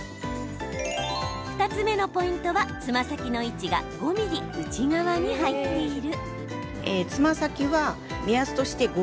２つ目のポイントはつま先の位置が５ｍｍ内側に入っている。